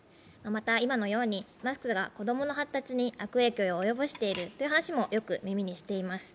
また、今のようにマスクが子供の発達に悪影響を及ぼしているという話もよく耳にしています。